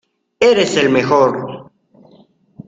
¡Eres el mejor!